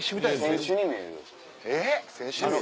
選手に見える。